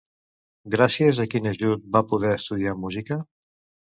Gràcies a quin ajut va poder estudiar música?